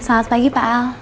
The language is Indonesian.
selamat pagi pak al